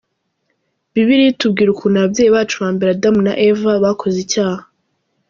Bibiliya itubwira ukuntu ababyeyi bacu ba mbere Adamu na Eva bakoze icyaha.